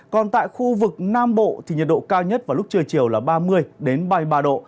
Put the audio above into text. còn tại khu vực nam bộ thì nhiệt độ cao nhất vào lúc trưa chiều là ba mươi ba mươi ba độ